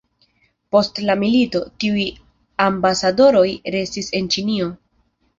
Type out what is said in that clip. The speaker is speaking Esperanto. Post la milito, tiuj ambasadoroj restis en Ĉinio.